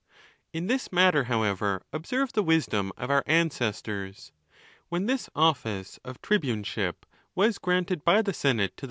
In this matter, however, observe the wisdom of our ancestors.. When this office of tribuneship was granted by the senate to.